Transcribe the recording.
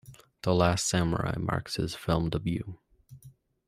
"The Last Samurai" marks his film debut.